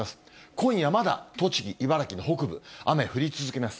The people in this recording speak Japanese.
今夜まだ、栃木、茨城の北部、雨、降り続きます。